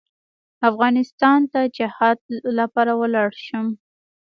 افغانستان ته جهاد لپاره ولاړ شم.